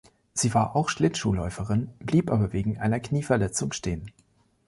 Sie war auch Schlittschuhläuferin, blieb aber wegen einer Knieverletzung stehen.